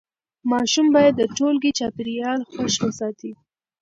ماشوم باید د ټولګي چاپېریال خوښ وساتي.